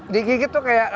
dikigit tuh kayak ah gitu ya